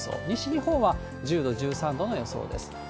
西日本は１０度、１３度の予想です。